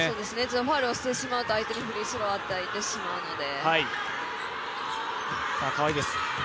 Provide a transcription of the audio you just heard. ファウルをしてしまうと相手にフリースローを与えてしまうので。